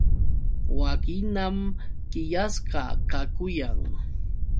Wakhinam qillasqa kakuyan.